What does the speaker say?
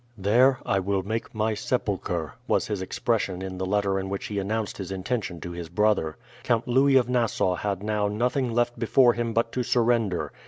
"There I will make my sepulcher," was his expression in the letter in which he announced his intention to his brother. Count Louis of Nassau had now nothing left before him but to surrender.